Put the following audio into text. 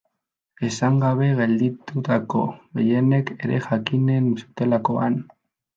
Esan gabe gelditutako gehienek ere jakinen zutelakoan.